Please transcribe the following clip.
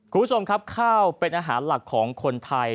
คุณผู้ชมครับข้าวเป็นอาหารหลักของคนไทย